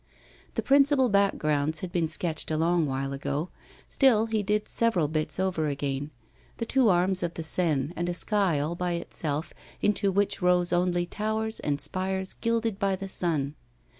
The principal backgrounds had been sketched a long while ago, still he did several bits over again the two arms of the Seine, and a sky all by itself, into which rose only towers and spires gilded by the sun.